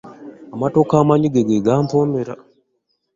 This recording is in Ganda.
Amatooke amanyige ge gampoomera.